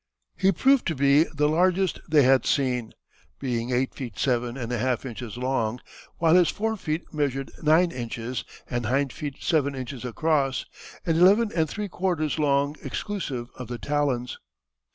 He proved to be the largest they had seen, being eight feet seven and a half inches long, while his fore feet measured nine inches and hind feet seven inches across, and eleven and three quarters long exclusive of the talons.